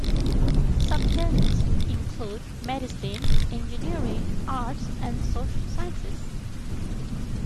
Subjects include Medicine, Engineering, Arts and Social Sciences.